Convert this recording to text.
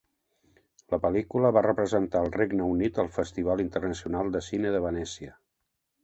La pel·lícula va representar al Regne Unit al Festival internacional de cine de Venècia.